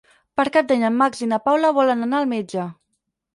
Per Cap d'Any en Max i na Paula volen anar al metge.